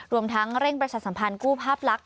รวมทั้งเร่งประชาสัมพันธ์กู้ภาพลักษณ